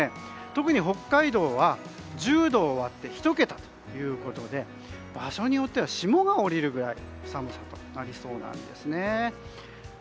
特に北海道は１０度を割って１桁ということで場所によっては霜が降りるぐらいの寒さとなりそうなんですね。